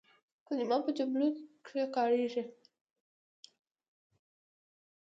کلیمه په جمله کښي کارېږي.